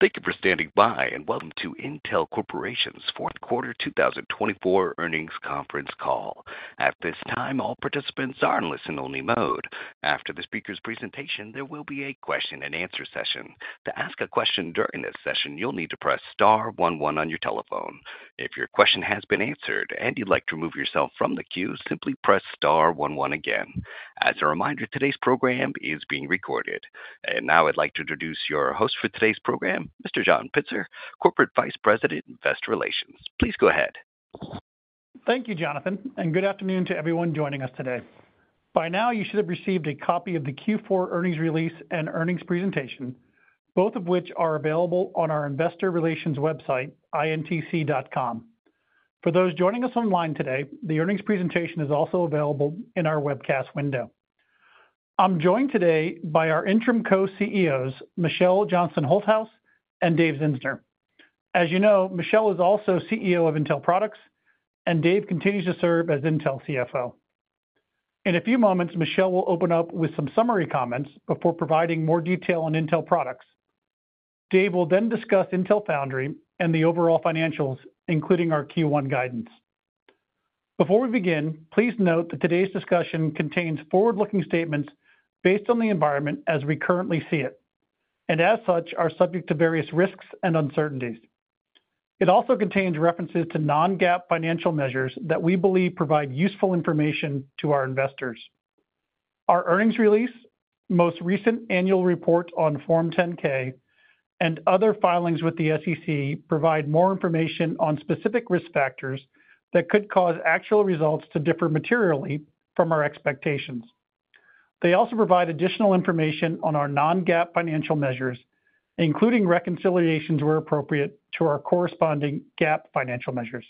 Thank you for standing by and welcome to Intel Corporation's Fourth Quarter 2024 earnings conference call. At this time, all participants are in listen-only mode. After the speaker's presentation, there will be a question-and-answer session. To ask a question during this session, you'll need to press star 11 on your telephone. If your question has been answered and you'd like to remove yourself from the queue, simply press star 11 again. As a reminder, today's program is being recorded. And now I'd like to introduce your host for today's program, Mr. John Pitzer, Corporate Vice President, Investor Relations. Please go ahead. Thank you, Jonathan, and good afternoon to everyone joining us today. By now, you should have received a copy of the Q4 earnings release and earnings presentation, both of which are available on our Investor Relations website, intc.com. For those joining us online today, the earnings presentation is also available in our webcast window. I'm joined today by our interim co-CEOs, Michelle Johnston Holthaus and Dave Zinsner. As you know, Michelle is also CEO of Intel Products, and Dave continues to serve as Intel CFO. In a few moments, Michelle will open up with some summary comments before providing more detail on Intel Products. Dave will then discuss Intel Foundry and the overall financials, including our Q1 guidance. Before we begin, please note that today's discussion contains forward-looking statements based on the environment as we currently see it, and as such, are subject to various risks and uncertainties. It also contains references to non-GAAP financial measures that we believe provide useful information to our investors. Our earnings release, most recent annual report on Form 10-K, and other filings with the SEC provide more information on specific risk factors that could cause actual results to differ materially from our expectations. They also provide additional information on our non-GAAP financial measures, including reconciliations where appropriate to our corresponding GAAP financial measures.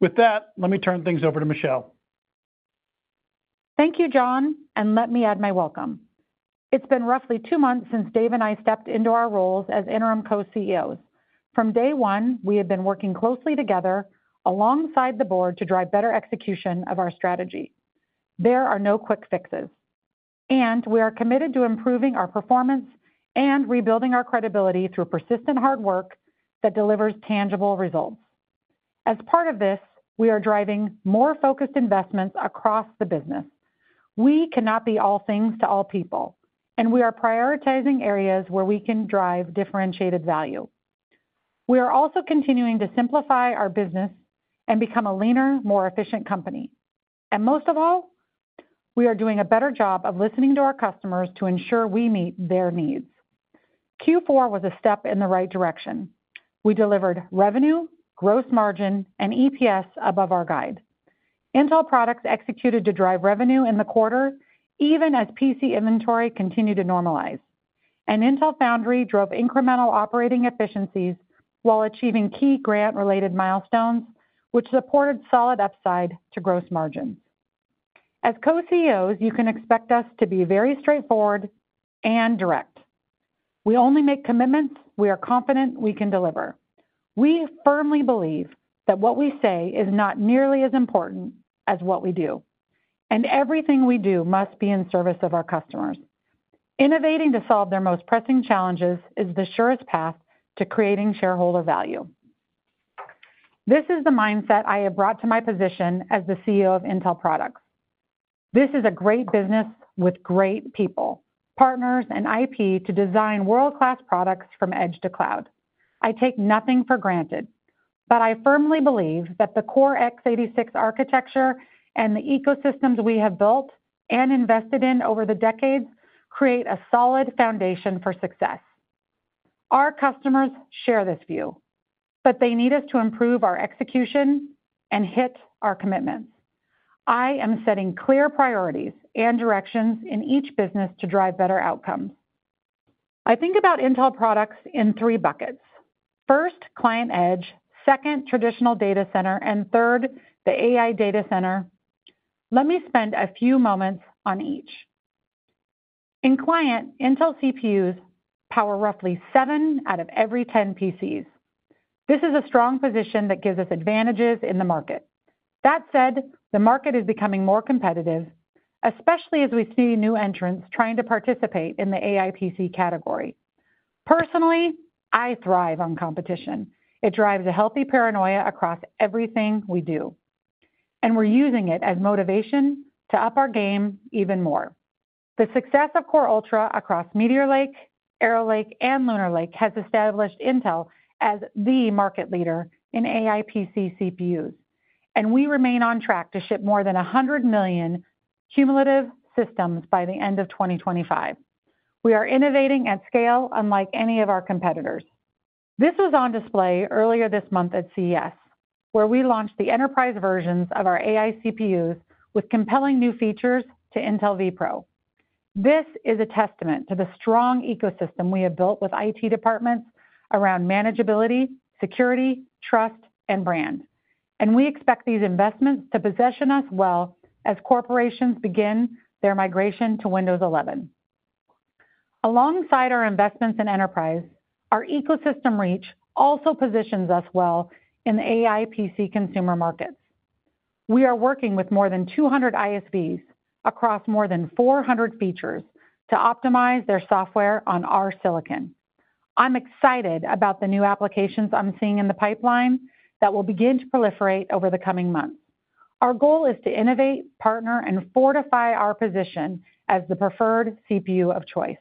With that, let me turn things over to Michelle. Thank you, John, and let me add my welcome. It's been roughly two months since Dave and I stepped into our roles as interim co-CEOs. From day one, we have been working closely together alongside the board to drive better execution of our strategy. There are no quick fixes, and we are committed to improving our performance and rebuilding our credibility through persistent hard work that delivers tangible results. As part of this, we are driving more focused investments across the business. We cannot be all things to all people, and we are prioritizing areas where we can drive differentiated value. We are also continuing to simplify our business and become a leaner, more efficient company, and most of all, we are doing a better job of listening to our customers to ensure we meet their needs. Q4 was a step in the right direction. We delivered revenue, gross margin, and EPS above our guide. Intel Products executed to drive revenue in the quarter, even as PC inventory continued to normalize, and Intel Foundry drove incremental operating efficiencies while achieving key grant-related milestones, which supported solid upside to gross margins. As co-CEOs, you can expect us to be very straightforward and direct. We only make commitments we are confident we can deliver. We firmly believe that what we say is not nearly as important as what we do, and everything we do must be in service of our customers. Innovating to solve their most pressing challenges is the surest path to creating shareholder value. This is the mindset I have brought to my position as the CEO of Intel Products. This is a great business with great people, partners, and IP to design world-class products from edge to cloud. I take nothing for granted, but I firmly believe that the core x86 architecture and the ecosystems we have built and invested in over the decades create a solid foundation for success. Our customers share this view, but they need us to improve our execution and hit our commitments. I am setting clear priorities and directions in each business to drive better outcomes. I think about Intel Products in three buckets. First, client edge, second, traditional data center, and third, the AI data center. Let me spend a few moments on each. In client, Intel CPUs power roughly seven out of every 10 PCs. This is a strong position that gives us advantages in the market. That said, the market is becoming more competitive, especially as we see new entrants trying to participate in the AI PC category. Personally, I thrive on competition. It drives a healthy paranoia across everything we do, and we're using it as motivation to up our game even more. The success of Core Ultra across Meteor Lake, Arrow Lake, and Lunar Lake has established Intel as the market leader in AI PC CPUs, and we remain on track to ship more than 100 million cumulative systems by the end of 2025. We are innovating at scale unlike any of our competitors. This was on display earlier this month at CES, where we launched the enterprise versions of our AI CPUs with compelling new features to Intel vPro. This is a testament to the strong ecosystem we have built with IT departments around manageability, security, trust, and brand, and we expect these investments to position us well as corporations begin their migration to Windows 11. Alongside our investments in enterprise, our ecosystem reach also positions us well in the AI PC consumer markets. We are working with more than 200 ISVs across more than 400 features to optimize their software on our silicon. I'm excited about the new applications I'm seeing in the pipeline that will begin to proliferate over the coming months. Our goal is to innovate, partner, and fortify our position as the preferred CPU of choice.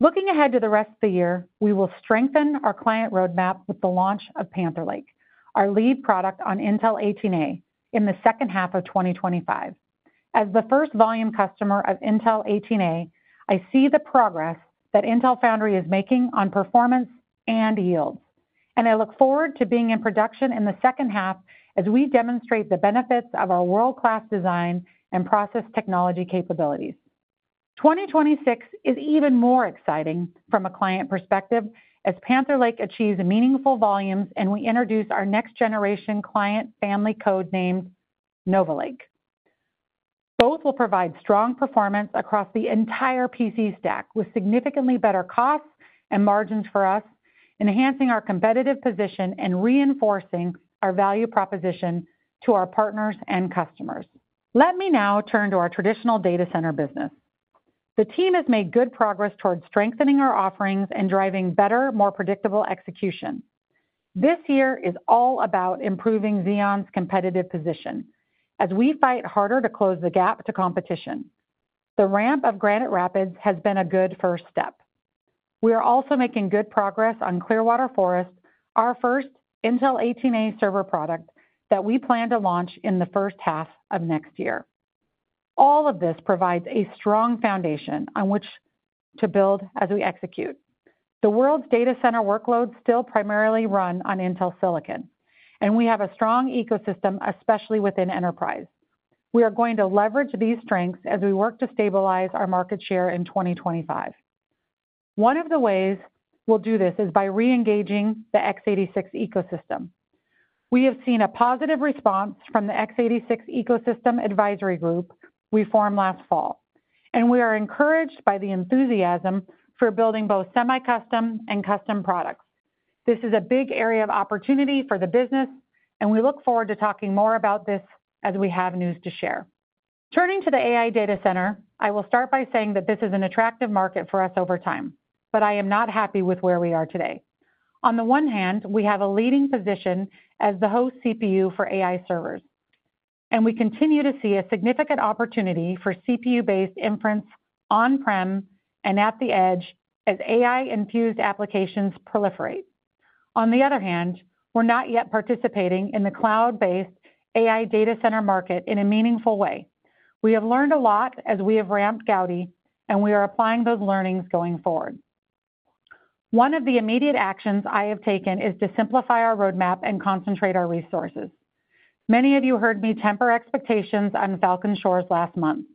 Looking ahead to the rest of the year, we will strengthen our client roadmap with the launch of Panther Lake, our lead product on Intel 18A in the second half of 2025. As the first volume customer of Intel 18A, I see the progress that Intel Foundry is making on performance and yields, and I look forward to being in production in the second half as we demonstrate the benefits of our world-class design and process technology capabilities. 2026 is even more exciting from a client perspective as Panther Lake achieves meaningful volumes and we introduce our next-generation client family code named Nova Lake. Both will provide strong performance across the entire PC stack with significantly better costs and margins for us, enhancing our competitive position and reinforcing our value proposition to our partners and customers. Let me now turn to our traditional data center business. The team has made good progress towards strengthening our offerings and driving better, more predictable execution. This year is all about improving Xeon's competitive position as we fight harder to close the gap to competition. The ramp of Granite Rapids has been a good first step. We are also making good progress on Clearwater Forest, our first Intel 18A server product that we plan to launch in the first half of next year. All of this provides a strong foundation on which to build as we execute. The world's data center workloads still primarily run on Intel silicon, and we have a strong ecosystem, especially within enterprise. We are going to leverage these strengths as we work to stabilize our market share in 2025. One of the ways we'll do this is by reengaging the x86 ecosystem. We have seen a positive response from the x86 ecosystem advisory group we formed last fall, and we are encouraged by the enthusiasm for building both semi-custom and custom products. This is a big area of opportunity for the business, and we look forward to talking more about this as we have news to share. Turning to the AI data center, I will start by saying that this is an attractive market for us over time, but I am not happy with where we are today. On the one hand, we have a leading position as the host CPU for AI servers, and we continue to see a significant opportunity for CPU-based inference on-prem and at the edge as AI-infused applications proliferate. On the other hand, we're not yet participating in the cloud-based AI data center market in a meaningful way. We have learned a lot as we have ramped Gaudi, and we are applying those learnings going forward. One of the immediate actions I have taken is to simplify our roadmap and concentrate our resources. Many of you heard me temper expectations on Falcon Shores last month.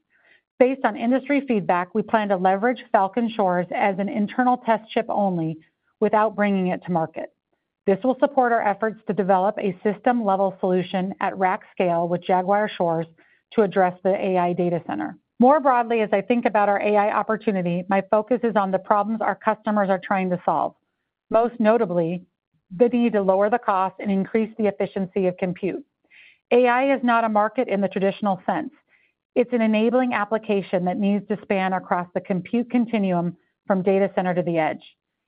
Based on industry feedback, we plan to leverage Falcon Shores as an internal test chip only without bringing it to market. This will support our efforts to develop a system-level solution at rack scale with Jaguar Shores to address the AI data center. More broadly, as I think about our AI opportunity, my focus is on the problems our customers are trying to solve, most notably the need to lower the cost and increase the efficiency of compute. AI is not a market in the traditional sense. It's an enabling application that needs to span across the compute continuum from data center to the edge.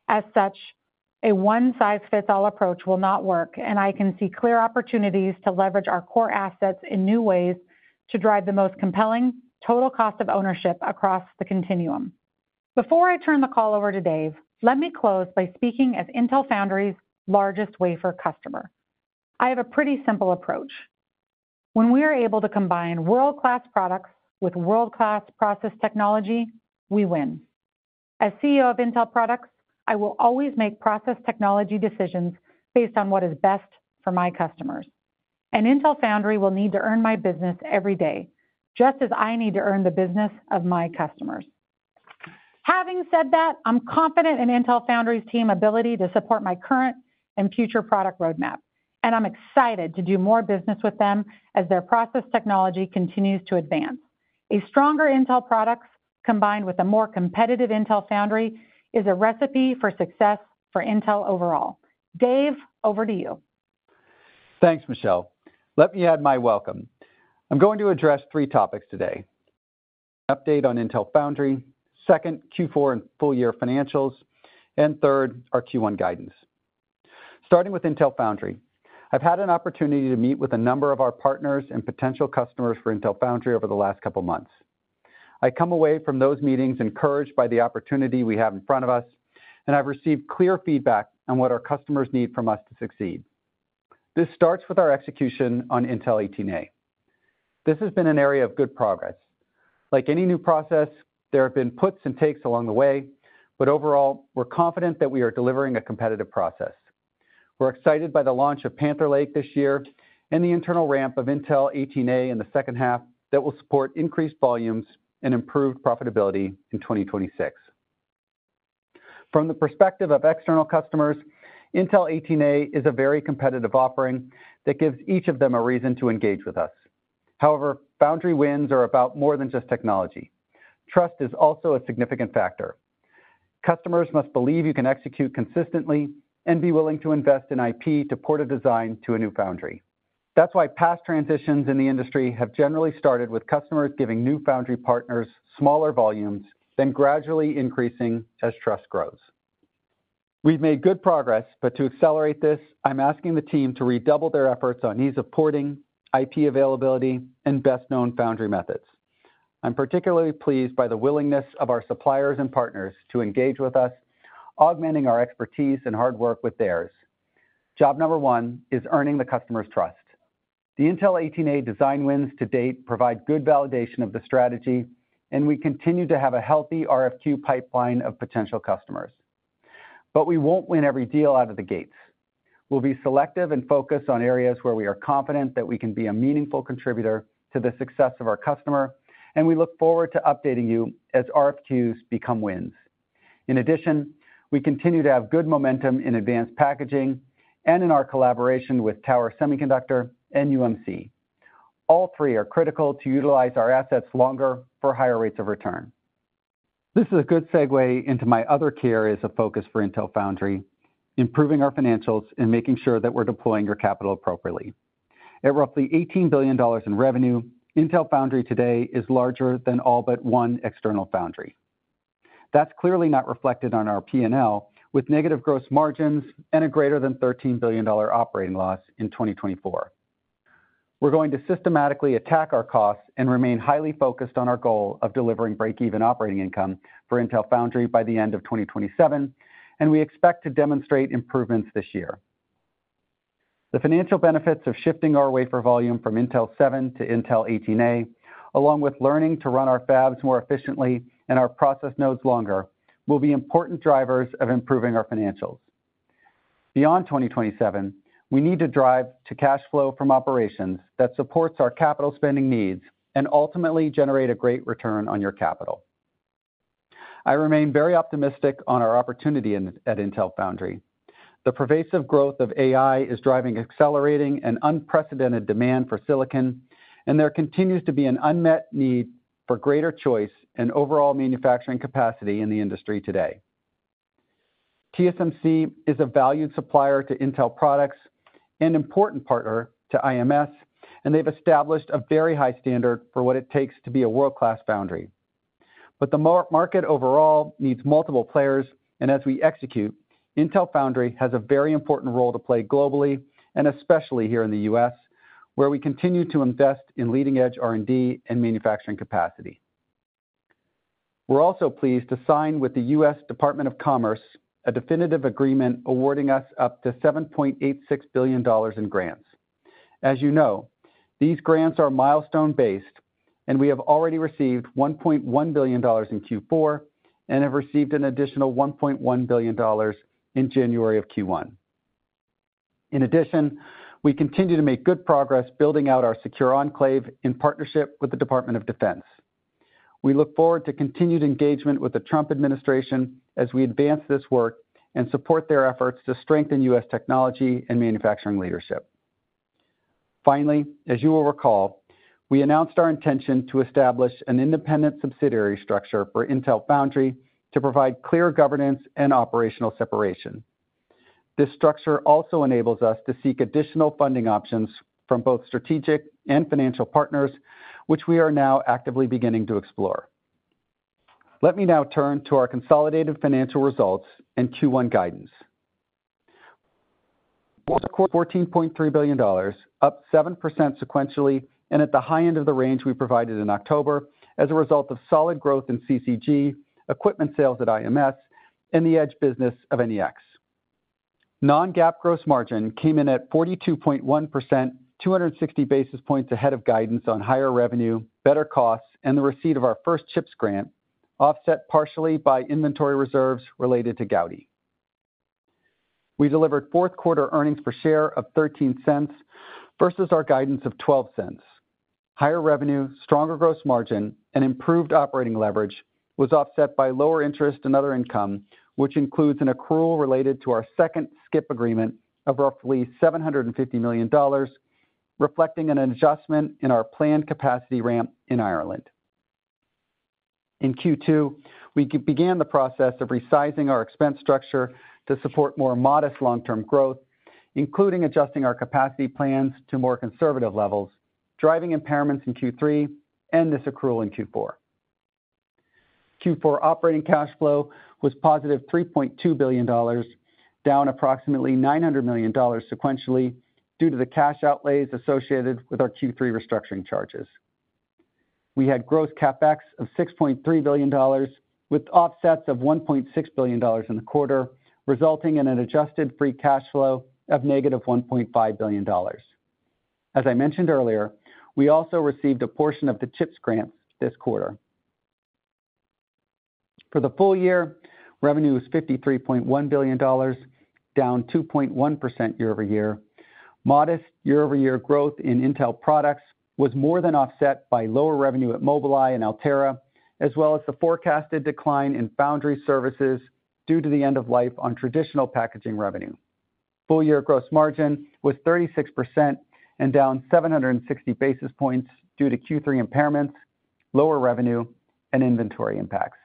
As such, a one-size-fits-all approach will not work, and I can see clear opportunities to leverage our core assets in new ways to drive the most compelling total cost of ownership across the continuum. Before I turn the call over to Dave, let me close by speaking as Intel Foundry's largest wafer customer. I have a pretty simple approach. When we are able to combine world-class products with world-class process technology, we win. As CEO of Intel Products, I will always make process technology decisions based on what is best for my customers. And Intel Foundry will need to earn my business every day, just as I need to earn the business of my customers. Having said that, I'm confident in Intel Foundry's team ability to support my current and future product roadmap, and I'm excited to do more business with them as their process technology continues to advance. A stronger Intel Products combined with a more competitive Intel Foundry is a recipe for success for Intel overall. Dave, over to you. Thanks, Michelle. Let me add my welcome. I'm going to address three topics today: update on Intel Foundry, second, Q4 and full-year financials, and third, our Q1 guidance. Starting with Intel Foundry, I've had an opportunity to meet with a number of our partners and potential customers for Intel Foundry over the last couple of months. I come away from those meetings encouraged by the opportunity we have in front of us, and I've received clear feedback on what our customers need from us to succeed. This starts with our execution on Intel 18A. This has been an area of good progress. Like any new process, there have been puts and takes along the way, but overall, we're confident that we are delivering a competitive process. We're excited by the launch of Panther Lake this year and the internal ramp of Intel 18A in the second half that will support increased volumes and improved profitability in 2026. From the perspective of external customers, Intel 18A is a very competitive offering that gives each of them a reason to engage with us. However, Foundry wins are about more than just technology. Trust is also a significant factor. Customers must believe you can execute consistently and be willing to invest in IP to port a design to a new foundry. That's why past transitions in the industry have generally started with customers giving new foundry partners smaller volumes and then gradually increasing as trust grows. We've made good progress, but to accelerate this, I'm asking the team to redouble their efforts on ease of porting, IP availability, and best-known foundry methods. I'm particularly pleased by the willingness of our suppliers and partners to engage with us, augmenting our expertise and hard work with theirs. Job number one is earning the customer's trust. The Intel 18A design wins to date provide good validation of the strategy, and we continue to have a healthy RFQ pipeline of potential customers. But we won't win every deal out of the gates. We'll be selective and focused on areas where we are confident that we can be a meaningful contributor to the success of our customer, and we look forward to updating you as RFQs become wins. In addition, we continue to have good momentum in advanced packaging and in our collaboration with Tower Semiconductor and UMC. All three are critical to utilize our assets longer for higher rates of return. This is a good segue into my other key areas of focus for Intel Foundry: improving our financials and making sure that we're deploying your capital appropriately. At roughly $18 billion in revenue, Intel Foundry today is larger than all but one external foundry. That's clearly not reflected on our P&L with negative gross margins and a greater than $13 billion operating loss in 2024. We're going to systematically attack our costs and remain highly focused on our goal of delivering break-even operating income for Intel Foundry by the end of 2027, and we expect to demonstrate improvements this year. The financial benefits of shifting our wafer volume from Intel 7 to Intel 18A, along with learning to run our fabs more efficiently and our process nodes longer, will be important drivers of improving our financials. Beyond 2027, we need to drive to cash flow from operations that supports our capital spending needs and ultimately generate a great return on your capital. I remain very optimistic on our opportunity at Intel Foundry. The pervasive growth of AI is driving accelerating and unprecedented demand for silicon, and there continues to be an unmet need for greater choice and overall manufacturing capacity in the industry today. TSMC is a valued supplier to Intel Products and important partner to IMS, and they've established a very high standard for what it takes to be a world-class foundry. But the market overall needs multiple players, and as we execute, Intel Foundry has a very important role to play globally and especially here in the U.S., where we continue to invest in leading-edge R&D and manufacturing capacity. We're also pleased to sign with the U.S. Department of Commerce a definitive agreement awarding us up to $7.86 billion in grants. As you know, these grants are milestone-based, and we have already received $1.1 billion in Q4 and have received an additional $1.1 billion in January of Q1. In addition, we continue to make good progress building out our Secure Enclave in partnership with the Department of Defense. We look forward to continued engagement with the Trump administration as we advance this work and support their efforts to strengthen U.S., technology and manufacturing leadership. Finally, as you will recall, we announced our intention to establish an independent subsidiary structure for Intel Foundry to provide clear governance and operational separation. This structure also enables us to seek additional funding options from both strategic and financial partners, which we are now actively beginning to explore. Let me now turn to our consolidated financial results and Q1 guidance. We're at a quarter of $14.3 billion, up 7% sequentially and at the high end of the range we provided in October as a result of solid growth in CCG, equipment sales at IMS, and the edge business of NEX. Non-GAAP gross margin came in at 42.1%, 260 basis points ahead of guidance on higher revenue, better costs, and the receipt of our first CHIPS grant, offset partially by inventory reserves related to Gaudi. We delivered fourth-quarter earnings per share of $0.13 versus our guidance of $0.12. Higher revenue, stronger gross margin, and improved operating leverage was offset by lower interest and other income, which includes an accrual related to our second skip agreement of roughly $750 million, reflecting an adjustment in our planned capacity ramp in Ireland. In Q2, we began the process of resizing our expense structure to support more modest long-term growth, including adjusting our capacity plans to more conservative levels, driving impairments in Q3, and this accrual in Q4. Q4 operating cash flow was positive $3.2 billion, down approximately $900 million sequentially due to the cash outlays associated with our Q3 restructuring charges. We had gross CapEx of $6.3 billion, with offsets of $1.6 billion in the quarter, resulting in an adjusted free cash flow of negative $1.5 billion. As I mentioned earlier, we also received a portion of the CHIPS grants this quarter. For the full year, revenue was $53.1 billion, down 2.1% year-over-year. Modest year-over-year growth in Intel Products was more than offset by lower revenue at Mobileye and Altera, as well as the forecasted decline in foundry services due to the end of life on traditional packaging revenue. Full-year gross margin was 36% and down 760 basis points due to Q3 impairments, lower revenue, and inventory impacts.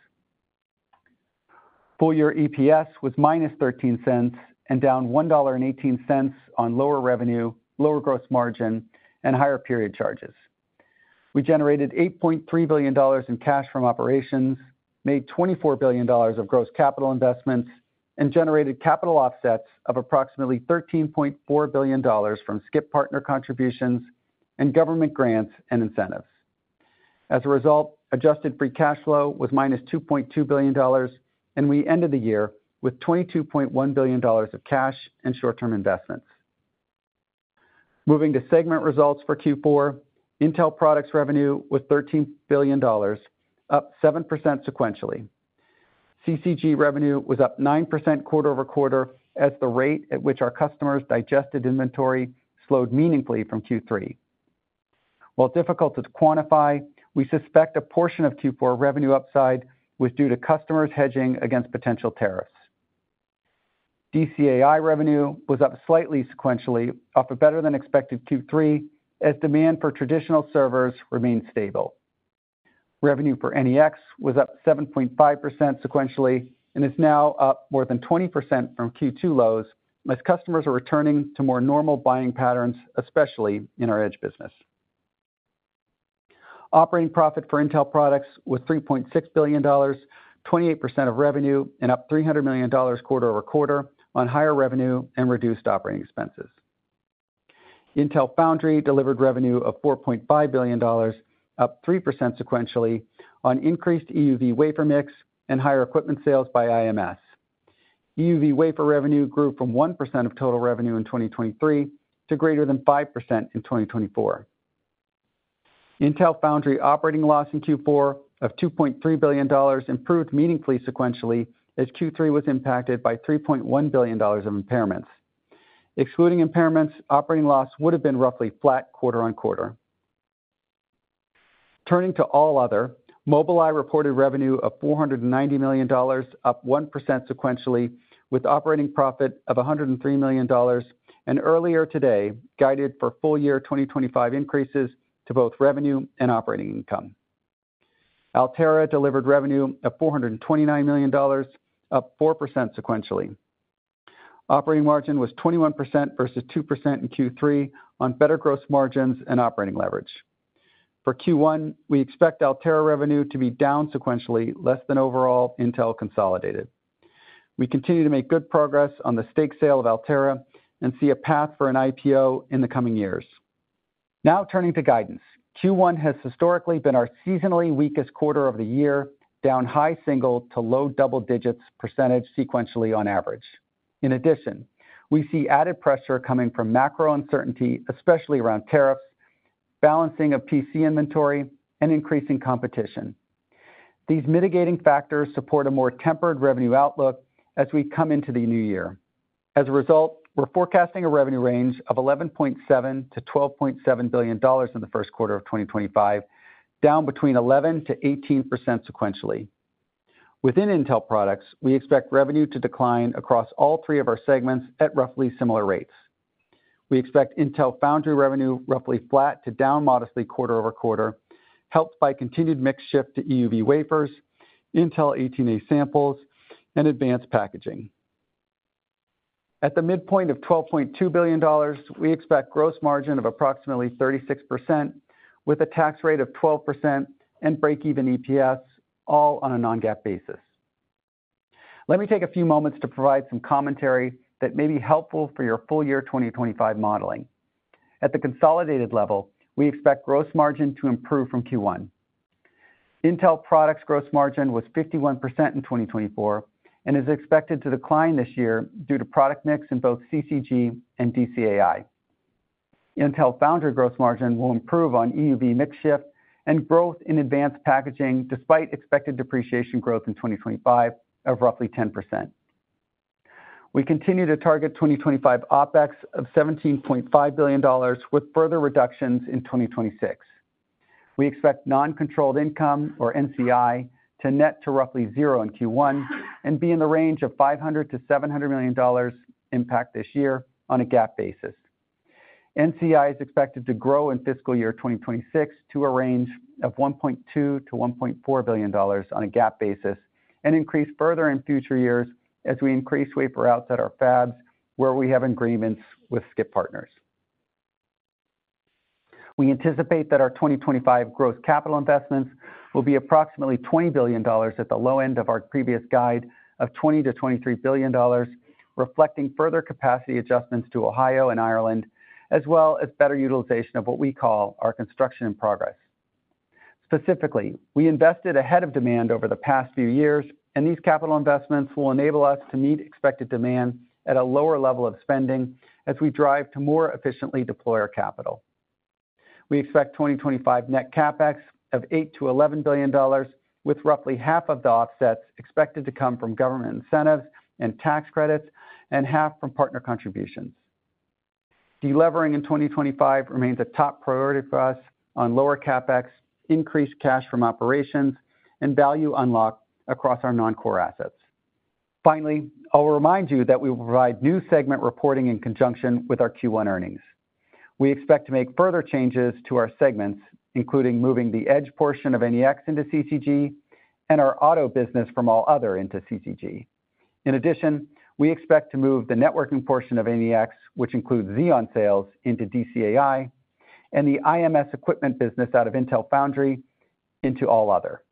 Full-year EPS was -$0.13 and down $1.18 on lower revenue, lower gross margin, and higher period charges. We generated $8.3 billion in cash from operations, made $24 billion of gross capital investments, and generated capital offsets of approximately $13.4 billion from skip partner contributions and government grants and incentives. As a result, adjusted free cash flow was -$2.2 billion, and we ended the year with $22.1 billion of cash and short-term investments. Moving to segment results for Q4, Intel Products revenue was $13 billion, up 7% sequentially. CCG revenue was up 9% quarter over quarter as the rate at which our customers digested inventory slowed meaningfully from Q3. While difficult to quantify, we suspect a portion of Q4 revenue upside was due to customers hedging against potential tariffs. DCAI revenue was up slightly sequentially off a better-than-expected Q3 as demand for traditional servers remained stable. Revenue for NEX was up 7.5% sequentially and is now up more than 20% from Q2 lows as customers are returning to more normal buying patterns, especially in our edge business. Operating profit for Intel Products was $3.6 billion, 28% of revenue, and up $300 million quarter over quarter on higher revenue and reduced operating expenses. Intel Foundry delivered revenue of $4.5 billion, up 3% sequentially on increased EUV wafer mix and higher equipment sales by IMS. EUV wafer revenue grew from 1% of total revenue in 2023 to greater than 5% in 2024. Intel Foundry operating loss in Q4 of $2.3 billion improved meaningfully sequentially as Q3 was impacted by $3.1 billion of impairments. Excluding impairments, operating loss would have been roughly flat quarter on quarter. Turning to All Other, Mobileye reported revenue of $490 million, up 1% sequentially, with operating profit of $103 million, and earlier today guided for full-year 2025 increases to both revenue and operating income. Altera delivered revenue of $429 million, up 4% sequentially. Operating margin was 21% versus 2% in Q3 on better gross margins and operating leverage. For Q1, we expect Altera revenue to be down sequentially, less than overall Intel consolidated. We continue to make good progress on the stake sale of Altera and see a path for an IPO in the coming years. Now turning to guidance, Q1 has historically been our seasonally weakest quarter of the year, down high single- to low double-digits percentage sequentially on average. In addition, we see added pressure coming from macro uncertainty, especially around tariffs, balancing of PC inventory, and increasing competition. These mitigating factors support a more tempered revenue outlook as we come into the new year. As a result, we're forecasting a revenue range of $11.7-$12.7 billion in the first quarter of 2025, down between 11%-18% sequentially. Within Intel Products, we expect revenue to decline across all three of our segments at roughly similar rates. We expect Intel Foundry revenue roughly flat to down modestly quarter over quarter, helped by continued mix shift to EUV wafers, Intel 18A samples, and advanced packaging. At the midpoint of $12.2 billion, we expect gross margin of approximately 36% with a tax rate of 12% and break-even EPS, all on a non-GAAP basis. Let me take a few moments to provide some commentary that may be helpful for your full-year 2025 modeling. At the consolidated level, we expect gross margin to improve from Q1. Intel Products gross margin was 51% in 2024 and is expected to decline this year due to product mix in both CCG and DCAI. Intel Foundry gross margin will improve on EUV mix shift and growth in advanced packaging despite expected depreciation growth in 2025 of roughly 10%. We continue to target 2025 OpEx of $17.5 billion with further reductions in 2026. We expect non-controlling interest or NCI to net to roughly zero in Q1 and be in the range of $500-$700 million impact this year on a GAAP basis. NCI is expected to grow in fiscal year 2026 to a range of $1.2-$1.4 billion on a GAAP basis and increase further in future years as we increase wafer outs at our fabs where we have agreements with SCIP partners. We anticipate that our 2025 gross capital investments will be approximately $20 billion at the low end of our previous guide of $20-$23 billion, reflecting further capacity adjustments to Ohio and Ireland, as well as better utilization of what we call our construction in progress. Specifically, we invested ahead of demand over the past few years, and these capital investments will enable us to meet expected demand at a lower level of spending as we drive to more efficiently deploy our capital. We expect 2025 net CapEx of $8-$11 billion, with roughly half of the offsets expected to come from government incentives and tax credits and half from partner contributions. Delivering in 2025 remains a top priority for us on lower CapEx, increased cash from operations, and value unlocked across our non-core assets. Finally, I'll remind you that we will provide new segment reporting in conjunction with our Q1 earnings. We expect to make further changes to our segments, including moving the edge portion of NEX into CCG and our auto business from All Other into CCG. In addition, we expect to move the networking portion of NEX, which includes Xeon sales, into DCAI and the IMS equipment business out of Intel Foundry into All Other.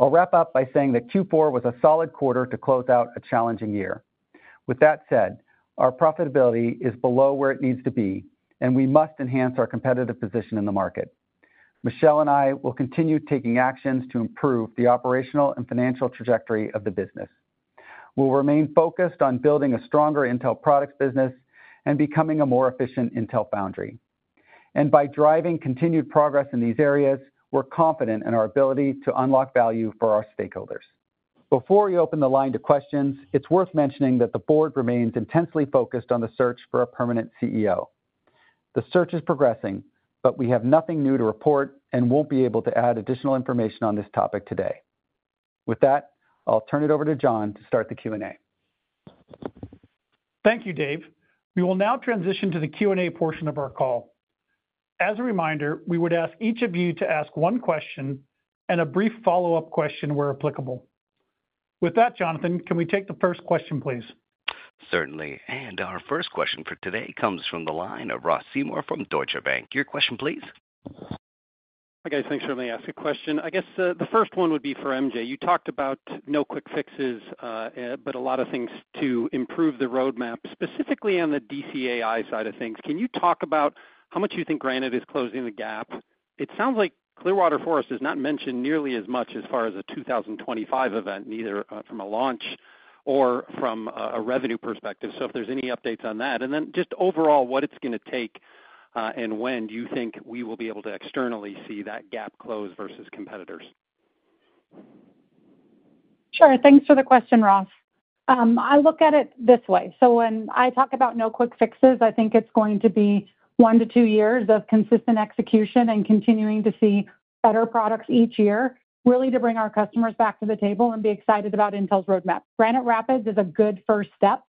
I'll wrap up by saying that Q4 was a solid quarter to close out a challenging year. With that said, our profitability is below where it needs to be, and we must enhance our competitive position in the market. Michelle and I will continue taking actions to improve the operational and financial trajectory of the business. We'll remain focused on building a stronger Intel Products business and becoming a more efficient Intel Foundry. And by driving continued progress in these areas, we're confident in our ability to unlock value for our stakeholders. Before we open the line to questions, it's worth mentioning that the board remains intensely focused on the search for a permanent CEO. The search is progressing, but we have nothing new to report and won't be able to add additional information on this topic today. With that, I'll turn it over to John to start the Q&A. Thank you, Dave. We will now transition to the Q&A portion of our call. As a reminder, we would ask each of you to ask one question and a brief follow-up question where applicable. With that, Jonathan, can we take the first question, please? Certainly. And our first question for today comes from the line of Ross Seymore from Deutsche Bank. Your question, please. Hi guys, thanks for letting me ask a question. I guess the first one would be for MJ. You talked about no quick fixes, but a lot of things to improve the roadmap, specifically on the DCAI side of things. Can you talk about how much you think Granite is closing the gap? It sounds like Clearwater Forest is not mentioned nearly as much as far as a 2025 event, neither from a launch or from a revenue perspective. So if there's any updates on that, and then just overall what it's going to take and when do you think we will be able to externally see that gap close versus competitors? Sure. Thanks for the question, Ross. I look at it this way. So when I talk about no quick fixes, I think it's going to be one to two years of consistent execution and continuing to see better products each year, really to bring our customers back to the table and be excited about Intel's roadmap. Granite Rapids is a good first step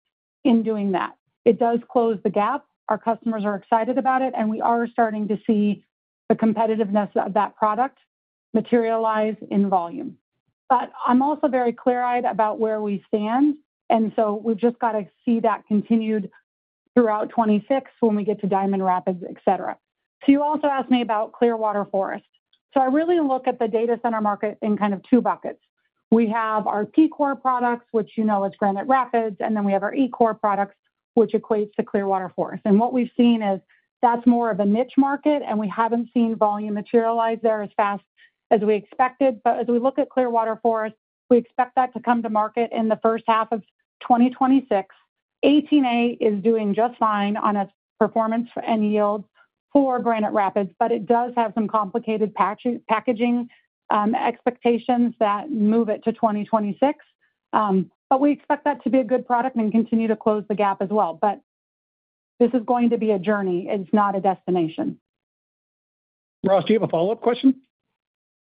in doing that. It does close the gap. Our customers are excited about it, and we are starting to see the competitiveness of that product materialize in volume. But I'm also very clear-eyed about where we stand, and so we've just got to see that continued throughout 2026 when we get to Diamond Rapids, et cetera. So you also asked me about Clearwater Forest. So I really look at the data center market in kind of two buckets. We have our P-core products, which you know is Granite Rapids, and then we have our E-core products, which equates to Clearwater Forest. And what we've seen is that's more of a niche market, and we haven't seen volume materialize there as fast as we expected. But as we look at Clearwater Forest, we expect that to come to market in the first half of 2026. 18A is doing just fine on its performance and yield for Granite Rapids, but it does have some complicated packaging expectations that move it to 2026. But we expect that to be a good product and continue to close the gap as well. But this is going to be a journey. It's not a destination. Ross, do you have a follow-up question?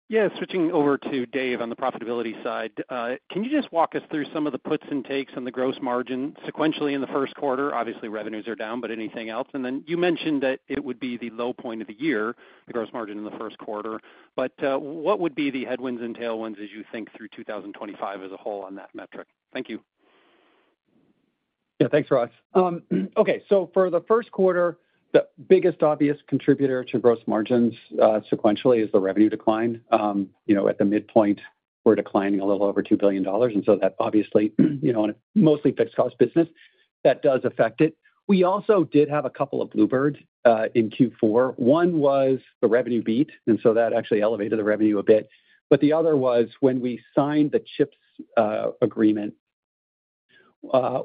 Yeah, switching over to Dave on the profitability side. Can you just walk us through some of the puts and takes on the gross margin sequentially in the first quarter? Obviously, revenues are down, but anything else? And then you mentioned that it would be the low point of the year, the gross margin in the first quarter. But what would be the headwinds and tailwinds as you think through 2025 as a whole on that metric? Thank you. Yeah, thanks, Ross. Okay, so for the first quarter, the biggest obvious contributor to gross margins sequentially is the revenue decline. At the midpoint, we're declining a little over $2 billion. And so that obviously, on a mostly fixed cost business, that does affect it. We also did have a couple of bluebirds in Q4. One was the revenue beat, and so that actually elevated the revenue a bit. But the other was when we signed the CHIPS agreement,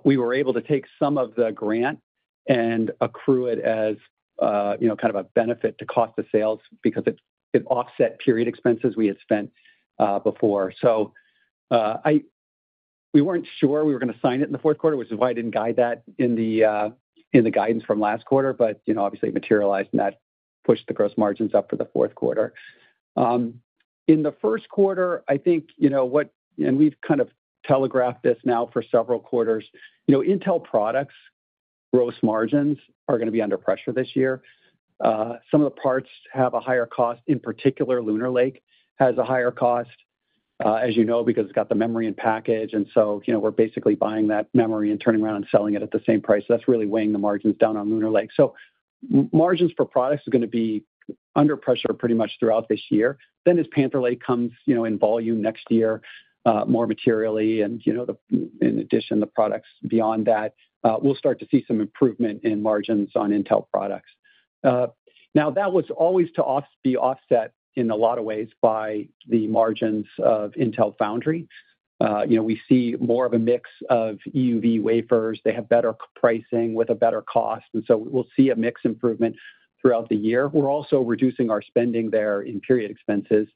we were able to take some of the grant and accrue it as kind of a benefit to cost of sales because it offset period expenses we had spent before. So we weren't sure we were going to sign it in the fourth quarter, which is why I didn't guide that in the guidance from last quarter. But obviously, it materialized and that pushed the gross margins up for the fourth quarter. In the first quarter, I think, and we've kind of telegraphed this now for several quarters, Intel Products gross margins are going to be under pressure this year. Some of the parts have a higher cost. In particular, Lunar Lake has a higher cost, as you know, because it's got the memory and package. We're basically buying that memory and turning around and selling it at the same price. That's really weighing the margins down on Lunar Lake. Margins for products are going to be under pressure pretty much throughout this year. Then as Panther Lake comes in volume next year, more materially, and in addition, the products beyond that, we'll start to see some improvement in margins on Intel Products. Now, that was always to be offset in a lot of ways by the margins of Intel Foundry. We see more of a mix of EUV wafers. They have better pricing with a better cost. We'll see a mixed improvement throughout the year. We're also reducing our spending there in period expenses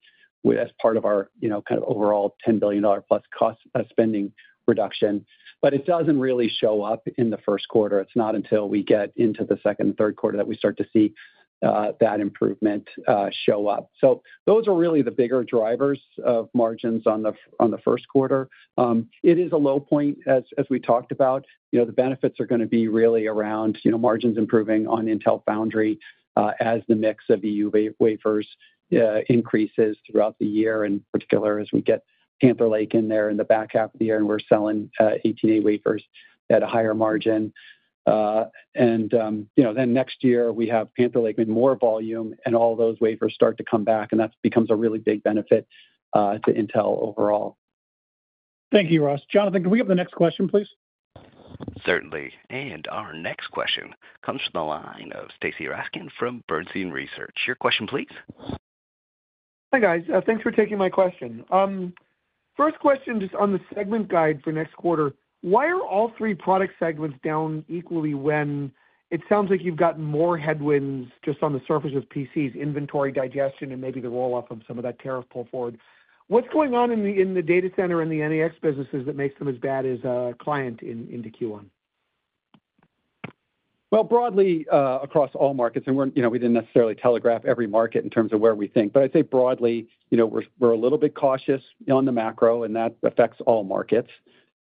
as part of our kind of overall $10 billion plus cost spending reduction. But it doesn't really show up in the first quarter. It's not until we get into the second and third quarter that we start to see that improvement show up. So those are really the bigger drivers of margins on the first quarter. It is a low point, as we talked about. The benefits are going to be really around margins improving on Intel Foundry as the mix of EUV wafers increases throughout the year, in particular as we get Panther Lake in there in the back half of the year and we're selling 18A wafers at a higher margin, and then next year, we have Panther Lake with more volume and all those wafers start to come back, and that becomes a really big benefit to Intel overall. Thank you, Ross. Jonathan, can we have the next question, please? Certainly. Our next question comes from the line of Stacy Rasgon from Bernstein Research. Your question, please. Hi guys. Thanks for taking my question. First question just on the segment guide for next quarter. Why are all three product segments down equally when it sounds like you've gotten more headwinds just on the surface of PCs, inventory digestion, and maybe the roll-up of some of that tariff pull forward? What's going on in the data center and the NEX businesses that makes them as bad as a client into Q1? Well, broadly across all markets, and we didn't necessarily telegraph every market in terms of where we think, but I'd say broadly, we're a little bit cautious on the macro, and that affects all markets.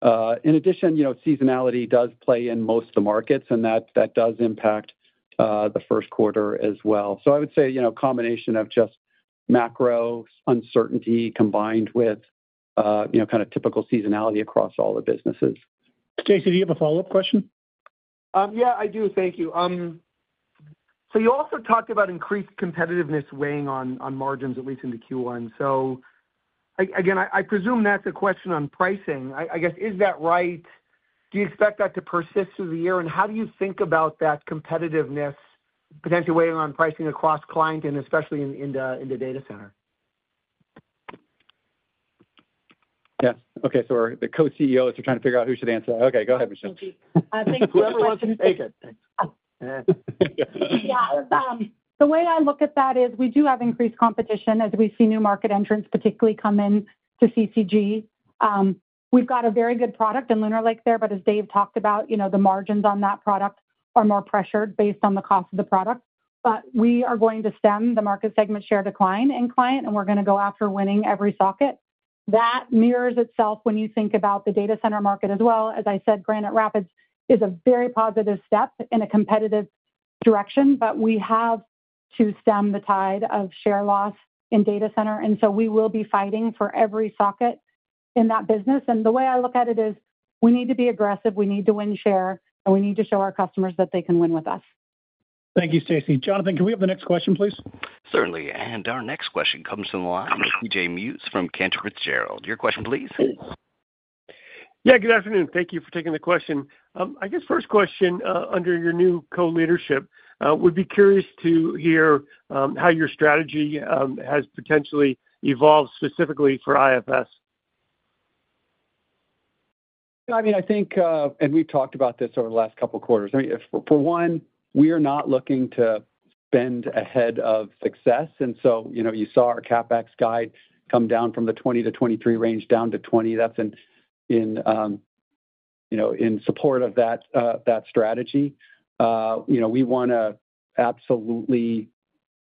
In addition, seasonality does play in most of the markets, and that does impact the first quarter as well. So I would say a combination of just macro uncertainty combined with kind of typical seasonality across all the businesses. Stacy, do you have a follow-up question? Yeah, I do. Thank you. So you also talked about increased competitiveness weighing on margins, at least into Q1. So again, I presume that's a question on pricing. I guess, is that right? Do you expect that to persist through the year? And how do you think about that competitiveness, potentially weighing on pricing across client and especially in the data center? Yeah. Okay. So the co-CEOs are trying to figure out who should answer. Okay, go ahead, Michelle. Thank you. Whoever wants to take it. Yeah. The way I look at that is we do have increased competition as we see new market entrants particularly come into CCG. We've got a very good product in Lunar Lake there, but as Dave talked about, the margins on that product are more pressured based on the cost of the product. But we are going to stem the market segment share decline in client, and we're going to go after winning every socket. That mirrors itself when you think about the data center market as well. As I said, Granite Rapids is a very positive step in a competitive direction, but we have to stem the tide of share loss in data center. And so we will be fighting for every socket in that business. And the way I look at it is we need to be aggressive. We need to win share, and we need to show our customers that they can win with us. Thank you, Stacy. Jonathan, can we have the next question, please? Certainly. And our next question comes from the line of C.J. Muse from Cantor Fitzgerald. Your question, please. Yeah, good afternoon. Thank you for taking the question. I guess first question under your new co-leadership, we'd be curious to hear how your strategy has potentially evolved specifically for IFS. I mean, I think, and we've talked about this over the last couple of quarters. I mean, for one, we are not looking to get ahead of success. And so you saw our CapEx guide come down from the $20 billion-$23 billion range down to $20 billion. That's in support of that strategy. We want to absolutely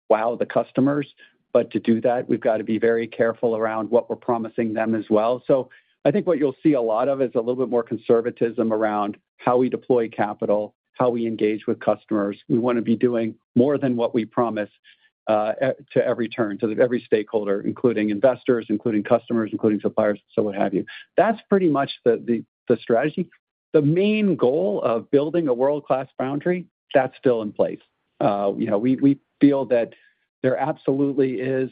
wow the customers, but to do that, we've got to be very careful around what we're promising them as well. So I think what you'll see a lot of is a little bit more conservatism around how we deploy capital, how we engage with customers. We want to be doing more than what we promise at every turn, to every stakeholder, including investors, including customers, including suppliers, so what have you. That's pretty much the strategy. The main goal of building a world-class foundry, that's still in place. We feel that there absolutely is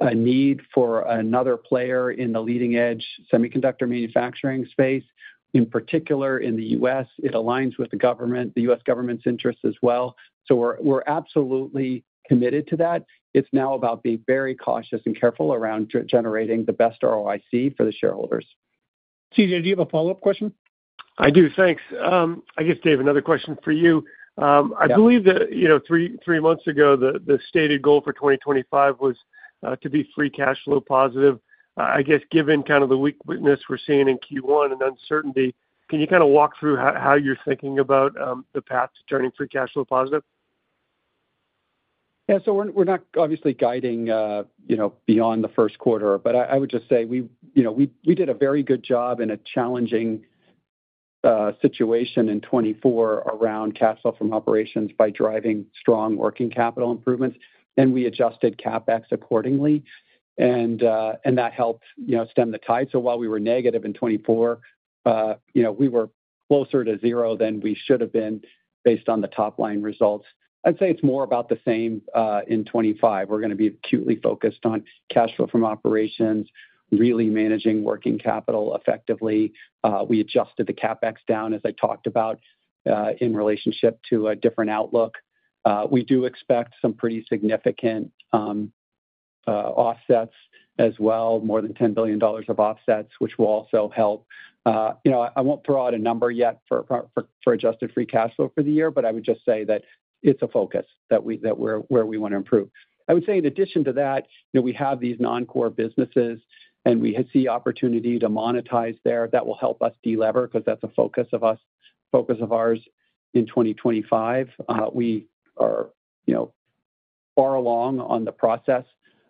a need for another player in the leading-edge semiconductor manufacturing space, in particular in the U.S. It aligns with the government, the U.S. government's interests as well. So we're absolutely committed to that. It's now about being very cautious and careful around generating the best ROIC for the shareholders. CJ, do you have a follow-up question? I do. Thanks. I guess, Dave, another question for you. I believe that three months ago, the stated goal for 2025 was to be free cash flow positive. I guess given kind of the weakness we're seeing in Q1 and uncertainty, can you kind of walk through how you're thinking about the path to turning free cash flow positive? Yeah. So we're not obviously guiding beyond the first quarter, but I would just say we did a very good job in a challenging situation in 2024 around cash flow from operations by driving strong working capital improvements. And we adjusted CapEx accordingly, and that helped stem the tide. So while we were negative in 2024, we were closer to zero than we should have been based on the top-line results. I'd say it's more about the same in 2025. We're going to be acutely focused on cash flow from operations, really managing working capital effectively. We adjusted the CapEx down, as I talked about, in relationship to a different outlook. We do expect some pretty significant offsets as well, more than $10 billion of offsets, which will also help. I won't throw out a number yet for adjusted free cash flow for the year, but I would just say that it's a focus that we're where we want to improve. I would say in addition to that, we have these non-core businesses, and we see opportunity to monetize there that will help us delever because that's a focus of ours in 2025. We are far along on the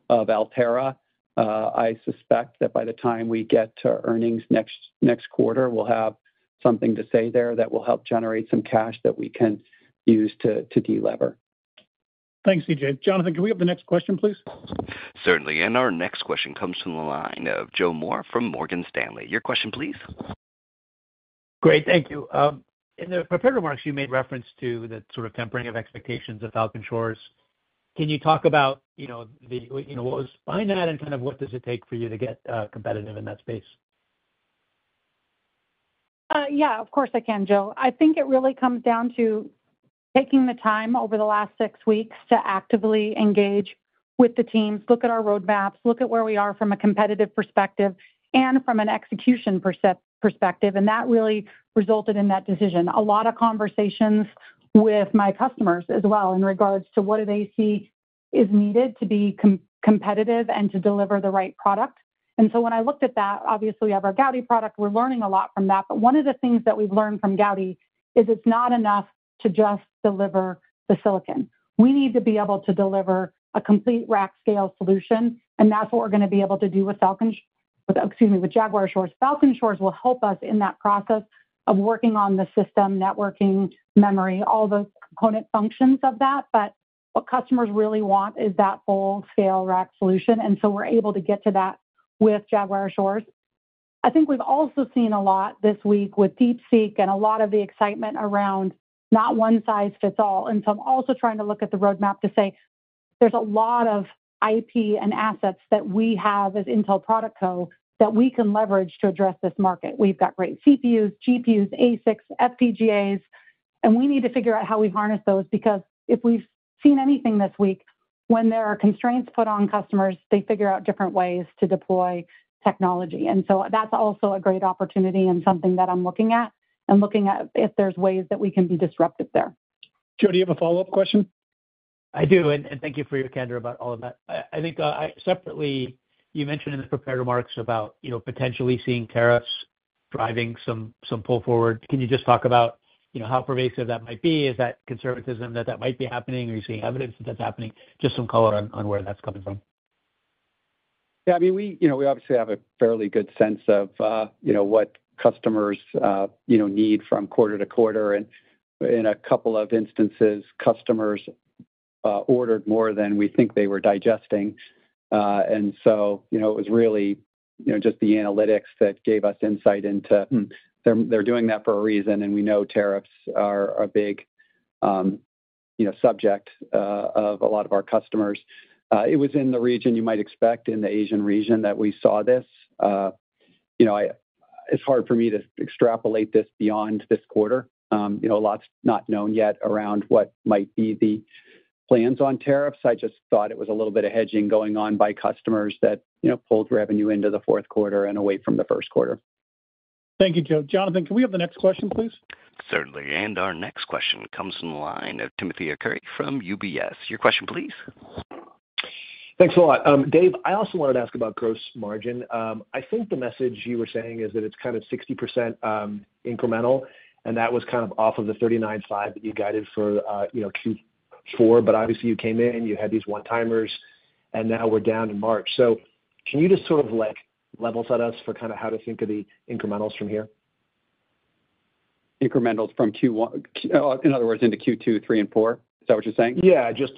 process of Altera. I suspect that by the time we get to earnings next quarter, we'll have something to say there that will help generate some cash that we can use to delever. Thanks, C.J. Jonathan, can we have the next question, please? Certainly, and our next question comes from the line of Joe Moore from Morgan Stanley. Your question, please. Great. Thank you. In the prepared remarks, you made reference to the sort of tempering of expectations at Falcon Shores. Can you talk about what was behind that and kind of what does it take for you to get competitive in that space? Yeah, of course I can, Joe. I think it really comes down to taking the time over the last six weeks to actively engage with the teams, look at our roadmaps, look at where we are from a competitive perspective and from an execution perspective. That really resulted in that decision. A lot of conversations with my customers as well in regards to what do they see is needed to be competitive and to deliver the right product. So when I looked at that, obviously, we have our Gaudi product. We're learning a lot from that. But one of the things that we've learned from Gaudi is it's not enough to just deliver the silicon. We need to be able to deliver a complete rack scale solution, and that's what we're going to be able to do with Falcon Shores. Excuse me, with Jaguar Shores. Falcon Shores will help us in that process of working on the system, networking, memory, all those component functions of that, but what customers really want is that full-scale rack solution, and so we're able to get to that with Jaguar Shores. I think we've also seen a lot this week with DeepSeek and a lot of the excitement around not one size fits all, and so I'm also trying to look at the roadmap to say there's a lot of IP and assets that we have as Intel Products that we can leverage to address this market. We've got great CPUs, GPUs, ASICs, FPGAs, and we need to figure out how we harness those because if we've seen anything this week, when there are constraints put on customers, they figure out different ways to deploy technology. And so that's also a great opportunity and something that I'm looking at and looking at if there's ways that we can be disruptive there. Joe, do you have a follow-up question? I do. And thank you for your candor about all of that. I think separately, you mentioned in the prepared remarks about potentially seeing tariffs driving some pull forward. Can you just talk about how pervasive that might be? Is that conservatism that that might be happening? Are you seeing evidence that that's happening? Just some color on where that's coming from. Yeah. I mean, we obviously have a fairly good sense of what customers need from quarter to quarter. And in a couple of instances, customers ordered more than we think they were digesting. And so it was really just the analytics that gave us insight into they're doing that for a reason, and we know tariffs are a big subject of a lot of our customers. It was in the region you might expect, in the Asian region, that we saw this. It's hard for me to extrapolate this beyond this quarter. Lots not known yet around what might be the plans on tariffs. I just thought it was a little bit of hedging going on by customers that pulled revenue into the fourth quarter and away from the first quarter. Thank you, Joe. Jonathan, can we have the next question, please? Certainly. Our next question comes from the line of Timothy Arcuri from UBS. Your question, please. Thanks a lot. Dave, I also wanted to ask about gross margin. I think the message you were saying is that it's kind of 60% incremental, and that was kind of off of the 39.5% that you guided for Q4. But obviously, you came in, you had these one-timers, and now we're down in March. So can you just sort of level set us for kind of how to think of the incrementals from here? Incrementals from Q1, in other words, into Q2, 3, and 4? Is that what you're saying? Yeah. Just